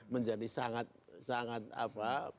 menjadi sangat sangat apa